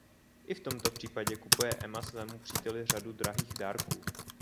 I v tomto případě kupuje Ema svému příteli řadu drahých dárků.